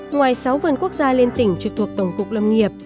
ngoài sáu vườn quốc gia lên tỉnh trực thuộc tổng cục lâm nghiệp